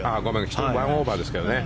１オーバーですけどね。